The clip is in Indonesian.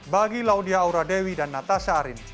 bagi laudia aura dewi dan natasha arin